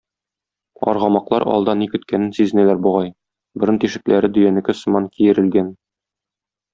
Аргамаклар алда ни көткәнен сизенәләр бугай, борын тишекләре дөянеке сыман киерелгән.